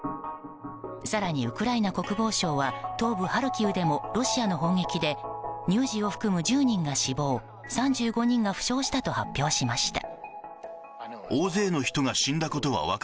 更に、ウクライナ国防省は東部ハルキウでもロシアの砲撃で乳児を含む１０人が死亡３５人が負傷したと発表しました。